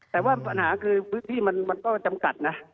แต่ว่าปัญหาคือพื้นที่มันก็จำกัดนะ